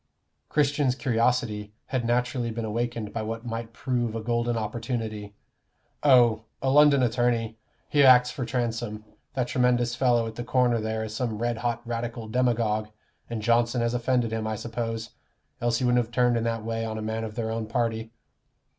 Christian's curiosity had naturally been awakened by what might prove a golden opportunity. "Oh a London attorney. He acts for Transome. That tremendous fellow at the corner there is some red hot Radical demagogue, and Johnson has offended him, I suppose; else he wouldn't have turned in that way on a man of their own party."